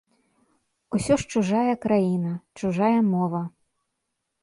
Усё ж чужая краіна, чужая мова.